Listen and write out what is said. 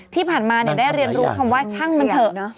ที่ผ่านมาได้เรียนรู้คำว่าช่างมันเถอะ